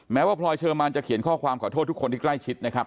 ว่าพลอยเชอร์มานจะเขียนข้อความขอโทษทุกคนที่ใกล้ชิดนะครับ